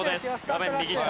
画面右下。